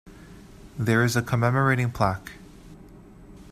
There is a commemorating plaque.